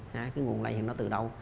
cái nguồn lây thì nó từ đâu